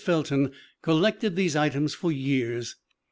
Felton collected these items for years.